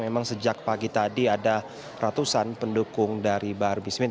memang sejak pagi tadi ada ratusan pendukung dari bahar bin smith